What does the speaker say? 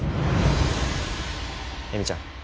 絵美ちゃん。